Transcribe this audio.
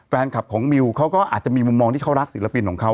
แฟนคลับของมิวเขาก็อาจจะมีมุมมองที่เขารักศิลปินของเขา